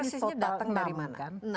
sekarang sudah terdeteksi total enam kan